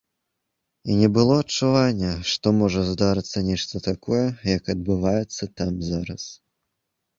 І не было адчування, што можа здарыцца нешта такое, як адбываецца там зараз.